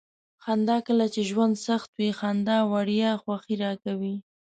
خندا: کله چې ژوند سخت وي. خندا وړیا خوښي راکوي.